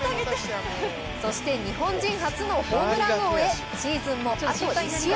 そして日本人初のホームラン王へシーズンもあと１試合。